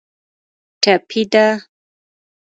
ټپي ده.